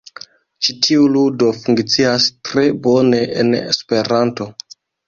Ĉi tiu ludo funkcias tre bone en Esperanto.